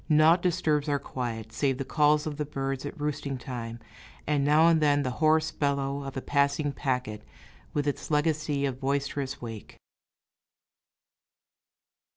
Naught disturbs our quiet, save the calls of the birds at roosting time, and now and then the hoarse bellow of a passing packet, with its legacy of boisterous wake.